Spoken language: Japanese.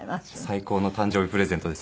最高の誕生日プレゼントです。